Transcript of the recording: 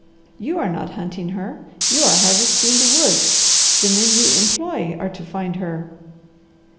"You are not hunting her. You are harvesting the woods. The men you employ are to find her."